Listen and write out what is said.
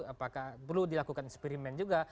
apakah perlu dilakukan eksperimen juga